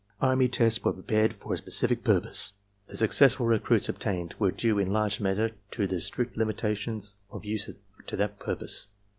Army tests were prepared for a specific purpose. The suc cessful results obtained were due in large measure to the strict V, limitation of use to that purpose.